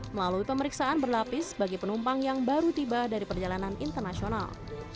melalui pemeriksaan berlapis bagi penumpang yang baru tiba dari perjalanan internasional